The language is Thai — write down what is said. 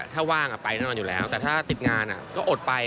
ถ้าว่างไปแน่นอนอยู่แล้วแต่ถ้าติดงานก็อดไป